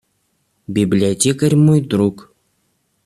Библиотекарь мой друг.